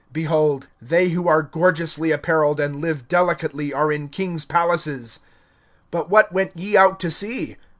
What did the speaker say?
Behold, they who are gorgeously appareled, and live delicately, are in kings' palaces. (26)But what went ye out to see?